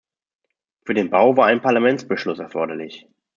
Für den Bau war ein Parlamentsbeschluss erforderlich.